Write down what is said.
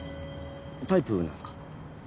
タイプなんすか？